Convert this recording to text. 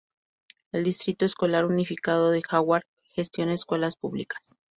El Distrito Escolar Unificado de Hayward gestiona escuelas públicas.